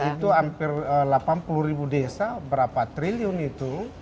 itu hampir delapan puluh ribu desa berapa triliun itu